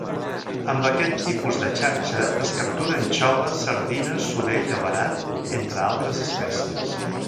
Amb aquest tipus de xarxa es captura anxova, sardina, sorell o verat entre altres espècies.